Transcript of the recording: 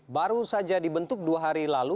baru saja dibentuk dua hari lalu